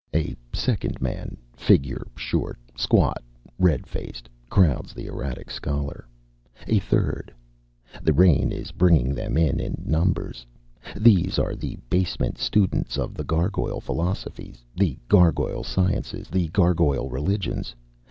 A second man, figure short, squat, red faced, crowds the erratic scholar. A third. The rain is bringing them in in numbers. These are the basement students of the gargoyle philosophies, the gargoyle sciences, the gargoyle religions.